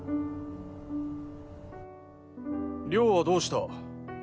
亮はどうした？